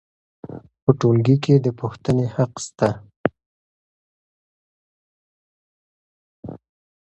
په ټولګي کې د پوښتنې حق سته.